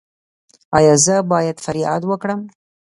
ایا زه باید فریاد وکړم؟